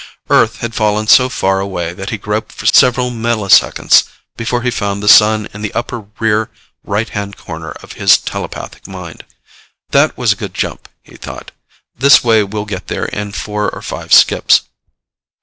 Earth had fallen so far away that he groped for several milliseconds before he found the Sun in the upper rear right hand corner of his telepathic mind. That was a good jump, he thought. This way we'll get there in four or five skips.